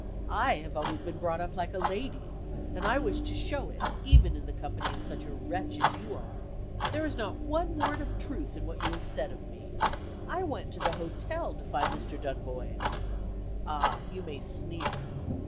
I have always been brought up like a lady, and I wish to show it even in the company of such a wretch as you are. There is not one word of truth in what you have said of me. I went to the hotel to find Mr. Dunboyne. Ah, you may sneer!